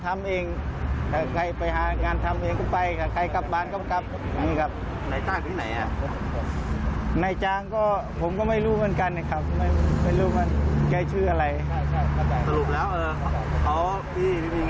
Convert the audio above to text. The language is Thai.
ไม่นานผมก็ไม่รู้เหมือนกันครับแค่ชื่ออะไร